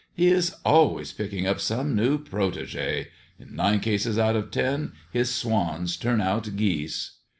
" He is always picking up some new protegS. In nine cases out of ten his swans turn out geese."